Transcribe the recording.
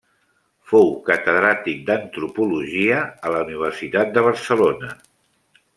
Fou catedràtic d'antropologia a la Universitat de Barcelona.